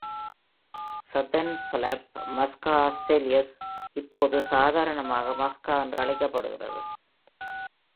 Southern ஃப்லய், மஸ்கா ஆஸ்திரேலியஸ், இப்போது சாதாரணமாக மஸ்கா என்று அழைக்கப்படுகிறது.